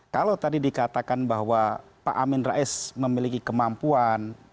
kalau tadi dikatakan bahwa pak amin rais memiliki kemampuan